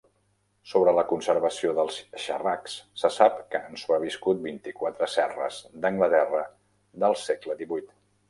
Sobre la conservació dels xerracs, se sap que han sobreviscut vint-i-quatre serres d'Anglaterra del segle XVIII.